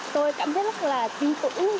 tôi cảm thấy rất là tin tưởng